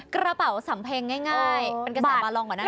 กระเป๋าสำเพ็งง่ายเป็นกระเป๋าบาลองกว่านั้น